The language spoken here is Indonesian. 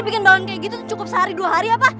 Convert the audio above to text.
bikin daun kayak gitu cukup sehari dua hari apa